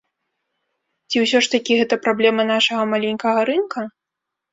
Ці ўсё ж такі гэта праблема нашага маленькага рынка?